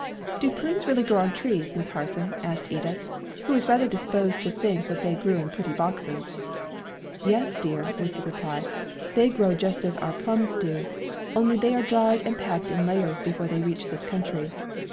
"Do prunes really grow on trees, Miss Harson?" asked Edith, who was rather disposed to think that they grew in pretty boxes. "Yes, dear," was the reply; "they grow just as our plums do, only they are dried and packed in layers before they reach this country.